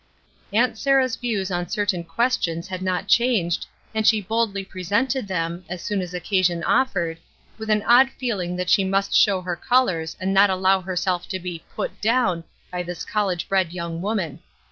Aunt Sarah's views on certain questions had not changed, and she boldly presented them, as soon as occasion offered, with an odd feeling that she must show her colors and not allow herself to be "put down'' by this college bred young woman.